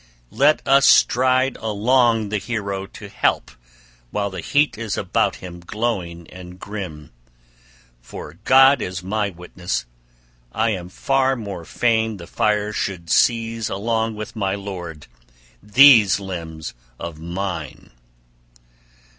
Let us stride along the hero to help while the heat is about him glowing and grim! For God is my witness I am far more fain the fire should seize along with my lord these limbs of mine!